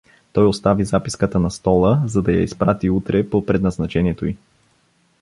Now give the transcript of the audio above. Той остави записката на стола, за да я изпрати утре по предназначението й.